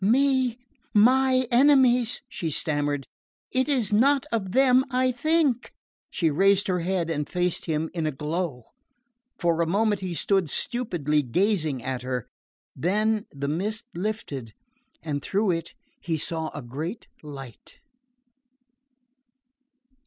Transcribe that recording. "Me! My enemies!" she stammered. "It is not of them I think." She raised her head and faced him in a glow. For a moment he stood stupidly gazing at her; then the mist lifted and through it he saw a great light.